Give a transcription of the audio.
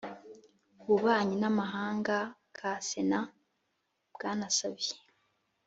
ububanyi n'amahanga ka sénat, bwana xavier